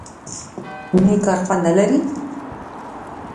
_نېک کار خوند نه لري؟